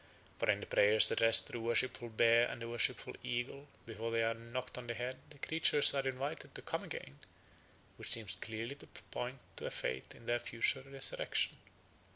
For in the prayers addressed to the worshipful bear and the worshipful eagle before they are knocked on the head the creatures are invited to come again, which seems clearly to point to a faith in their future resurrection.